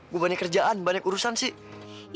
gue banyak kerjaan banyak urusan sih